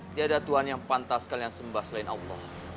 tidak ada tuhan yang pantas kalian sembah selain allah